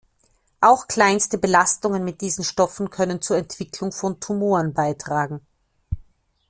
Auch kleinste Belastungen mit diesen Stoffen können zur Entwicklung von Tumoren beitragen.